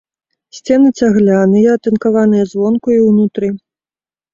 Сцены цагляныя, атынкаваныя звонку і ўнутры.